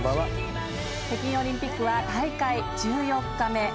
北京オリンピックは大会１４日目。